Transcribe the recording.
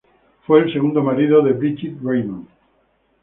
Fue el segundo marido de Brigitte Reimann.